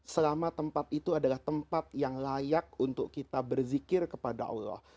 selama tempat itu adalah tempat yang layak untuk kita berzikir kepada allah